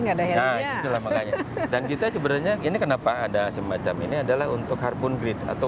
nggak ada heli dan kita sebenarnya ini kenapa ada semacam ini adalah untuk harpoon grid atau